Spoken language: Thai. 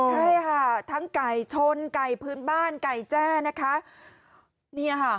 โอ้ใช่ฮะทั้งไก่ชนไก่พื้นบ้านไก่แจ้นนะคะนี่ฮะ